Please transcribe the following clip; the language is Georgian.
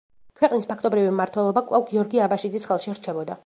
ქვეყნის ფაქტობრივი მმართველობა კვლავ გიორგი აბაშიძის ხელში რჩებოდა.